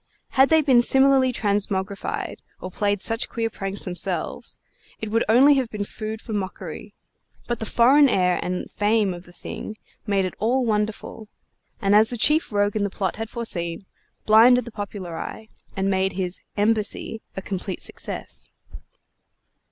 Had they been similarly transmogrified, or played such queer pranks themselves, it would only have been food for mockery; but the foreign air and fame of the thing made it all wonderful, and, as the chief rogue in the plot had foreseen, blinded the popular eye and made his "embassy" a complete success.